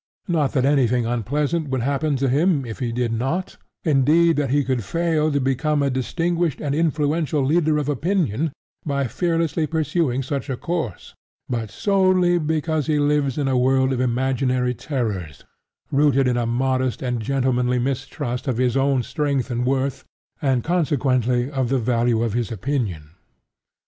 Not that anything unpleasant would happen to him if he did not, indeed that he could fail to become a distinguished and influential leader of opinion by fearlessly pursuing such a course, but solely because he lives in a world of imaginary terrors, rooted in a modest and gentlemanly mistrust of his own strength and worth, and consequently of the value of his opinion.